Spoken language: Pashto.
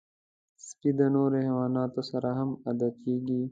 سپي د نورو حیواناتو سره هم عادت کېږي.